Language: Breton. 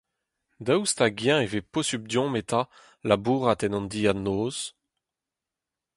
Daoust hag-eñ e vez posupl deomp eta labourat en hon dilhad-noz ?